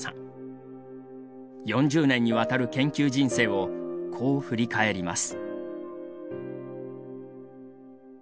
４０年にわたる研究人生をこう振り返ります。